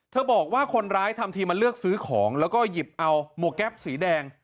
บอกว่าคนร้ายทำทีมาเลือกซื้อของแล้วก็หยิบเอาหมวกแก๊ปสีแดง